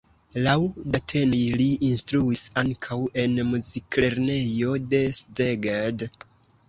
Laŭ datenoj li instruis ankaŭ en muziklernejo de Szeged.